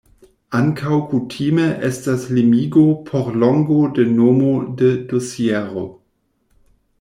Ankaŭ kutime estas limigo por longo de nomo de dosiero.